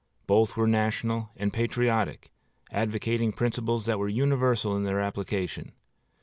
Both were national and patriotic, advocating principles that were universal in their application.